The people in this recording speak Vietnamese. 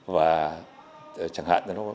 và chẳng hạn